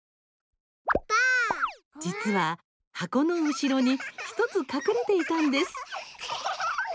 実は、箱の後ろに１つ隠れていたんです。